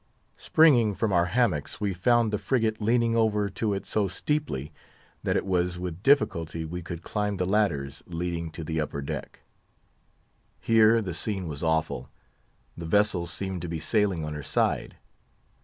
Springing from our hammocks, we found the frigate leaning over to it so steeply, that it was with difficulty we could climb the ladders leading to the upper deck. Here the scene was awful. The vessel seemed to be sailing on her side.